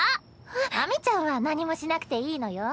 秋水ちゃんは何もしなくていいのよ。